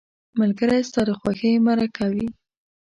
ملګری ستا د خوښۍ مرکه وي